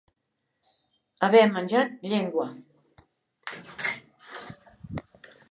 Haver menjat llengua.